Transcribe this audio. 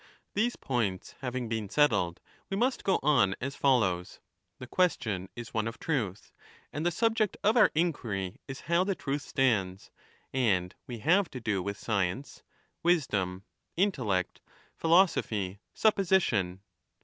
These points having been settled, we must go on as 35 follows. The question is one of truth, and the subject of our inquiry is how the truth stands, and we have to do with science, wisdom, intellect, philosophy, supposition.